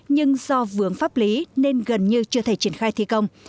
nhưng do vướng pháp lý nên gần như chưa thể triển khai thi công